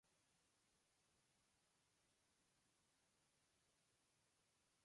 Actualmente solo lanza sencillos y no un álbum.